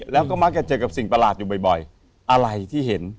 แล้วก็มักจะเจอกับสิ่งประหลาดอยู่บ่อยอะไรที่เห็น